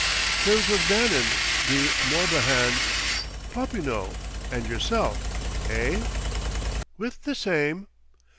"Terms with Bannon, De Morbihan, Popinot and yourself eh?" "With the same."